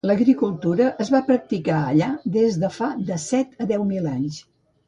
L'agricultura es va practicar allà des de fa de set a deu mil anys.